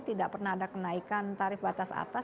tidak pernah ada kenaikan tarif batas atas